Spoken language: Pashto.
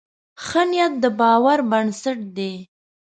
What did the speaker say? ښه نیت د باور بنسټ دی.